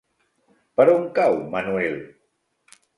Per on cau Manuel?